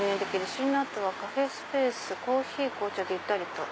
試飲の後はカフェスペースコーヒー紅茶でゆったりと」。